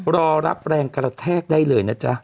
รอรับแรงกระแทกได้เลยนะจ๊ะ